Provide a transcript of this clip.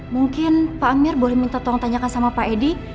mungkin pak amir boleh minta tolong tanyakan sama pak edi